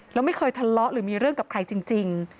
แล้วไม่เคยทะเลาะหรือมีเรื่องกับใครจริง